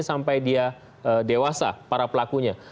sampai dia dewasa para pelakunya